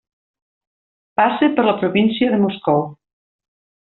Passa per la província de Moscou.